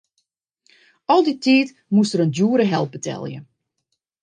Al dy tiid moast er in djoere help betelje.